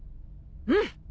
うん。